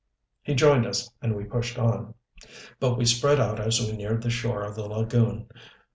He joined us, and we pushed on, but we spread out as we neared the shore of the lagoon.